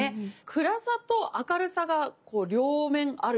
暗さと明るさがこう両面ある